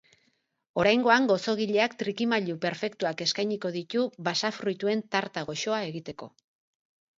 Oraingoan, gozogileak trikimailu perfektuak eskainiko ditu basa-fruituen tarta goxoa egiteko.